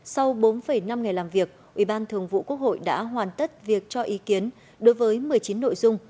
sau bốn năm ngày làm việc ủy ban thường vụ quốc hội đã hoàn tất việc cho ý kiến đối với một mươi chín nội dung